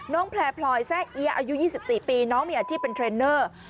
แพลพลอยแซ่เอี๊ยอายุ๒๔ปีน้องมีอาชีพเป็นเทรนเนอร์